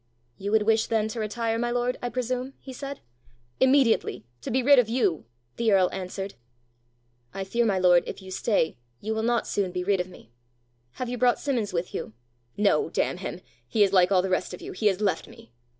"You would wish then to retire, my lord, I presume?" he said. "Immediately to be rid of you!" the earl answered. "I fear, my lord, if you stay, you will not soon be rid of me! Have you brought Simmons with you?" "No, damn him! he is like all the rest of you: he has left me!"